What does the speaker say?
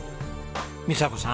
美佐子さん